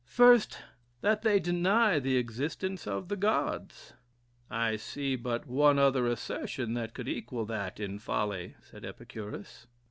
"First, that they deny the existence of the Gods." "I see but one other assertion that could equal that in folly," said Epicurus.